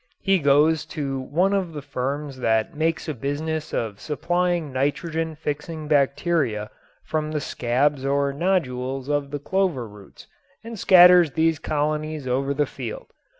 He goes to one of the firms that makes a business of supplying nitrogen fixing bacteria from the scabs or nodules of the clover roots and scatters these colonies over the field.